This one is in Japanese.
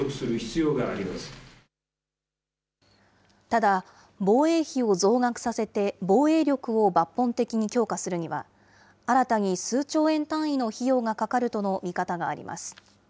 ただ、防衛費を増額させて防衛力を抜本的に強化するには、新たに数兆円単位の費用がかかるとの見方があります。